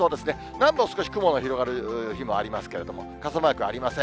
南部も少し雲が広がる日もありますけども、傘マークはありません。